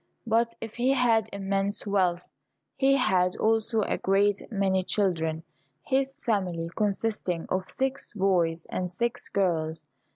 But if he had immense wealth, he had also a great many children, his family consisting of six boys and six girls.